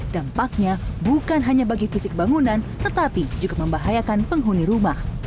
dampaknya bukan hanya bagi fisik bangunan tetapi juga membahayakan penghuni rumah